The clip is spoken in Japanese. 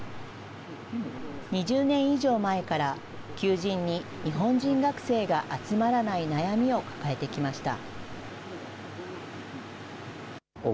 ２０年以上前から求人に日本人学生が集まらない悩みを抱えてきました。